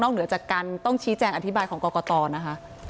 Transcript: เหนือจากการต้องชี้แจงอธิบายของกรกตนะคะ